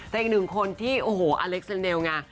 แต่อีกหนึ่งคนที่โอ้โหอเล็กเซอร์เนลไง